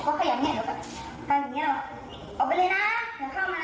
ก็ขยับนี่หนูก็ทำอย่างนี้แล้วออกไปเลยน้าอยากเข้ามาน่ะ